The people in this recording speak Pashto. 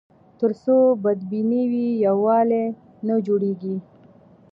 تر څو بدبیني وي، یووالی نه جوړېږي.